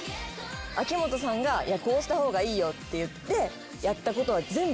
秋元さんがこうした方がいいよって言ってやったことは。